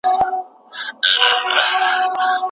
لومړی چاپ یې څو کاله وړاندې شوی دی.